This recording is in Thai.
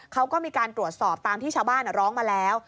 เขาก็มีการตรวจสอบตามที่ชาวบ้านร้องมาแล้ว